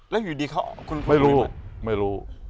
แล้วอยู่ดีเขาคุณไม่รู้ไม่รู้